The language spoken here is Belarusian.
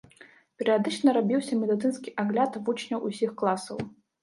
Перыядычна рабіўся медыцынскі агляд вучняў усіх класаў.